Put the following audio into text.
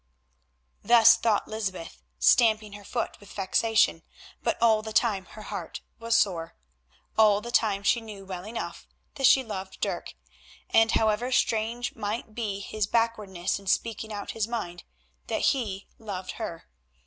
Thus thought Lysbeth, stamping her foot with vexation, but all the time her heart was sore. All the time she knew well enough that she loved Dirk, and, however strange might be his backwardness in speaking out his mind, that he loved her.